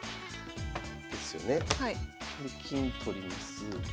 で金取ります。